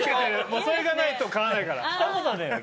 もうそれがないと買わないから。